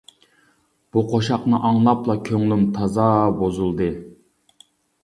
بۇ قوشاقنى ئاڭلاپلا، كۆڭلۈم تازا بۇزۇلدى.